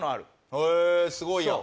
へえすごいやん。